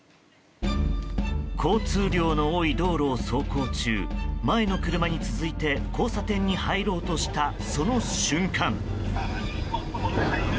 交通量の多い道路を走行中前の車に続いて交差点に入ろうとしたその瞬間。